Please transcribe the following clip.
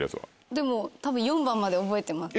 でもたぶん４番まで覚えてます。